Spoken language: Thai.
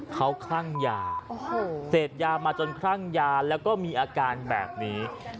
เขาคลั่งยาเสพยามาจนคลั่งยาแล้วก็มีอาการแบบนี้